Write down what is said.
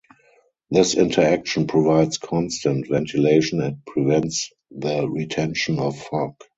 This interaction provides constant ventilation and prevents the retention of fog.